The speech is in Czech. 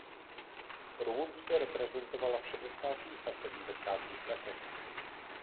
Rumunsko reprezentovala v šedesátých a sedmdesátých letech.